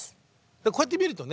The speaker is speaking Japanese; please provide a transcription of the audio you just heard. こうやって見るとね